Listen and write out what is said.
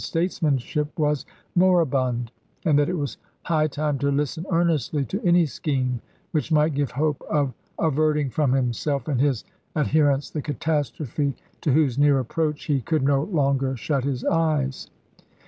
v. statesmanship was moribund, and that it was high time to listen earnestly to any scheme which might give hope of averting from himself and his ad herents the catastrophe to whose near approach he could no longer shut his eyes.